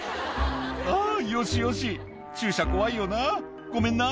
「あぁよしよし注射怖いよなごめんな」